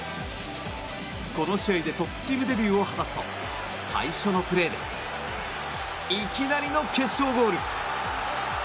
この試合でトップチームデビューを果たすと最初のプレーでいきなりの決勝ゴール！